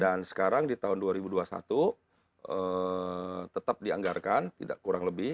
dan sekarang di tahun dua ribu dua puluh satu tetap dianggarkan tidak kurang lebih